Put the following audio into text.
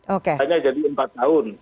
makanya jadi empat tahun